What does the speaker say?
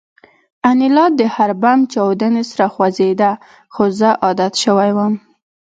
انیلا د هر بم چاودنې سره خوځېده خو زه عادت شوی وم